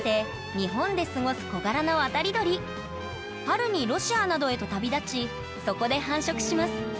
春にロシアなどへと旅立ちそこで繁殖します。